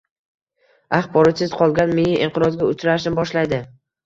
axborotsiz qolgan miya inqirozga uchrashni boshlaydi.